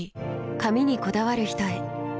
髪にこだわる人へ。